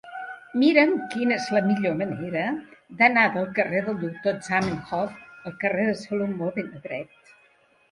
Mira'm quina és la millor manera d'anar del carrer del Doctor Zamenhof al carrer de Salomó ben Adret